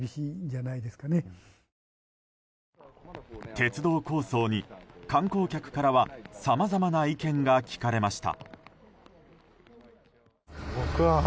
鉄道構想に観光客からはさまざまな意見が聞かれました。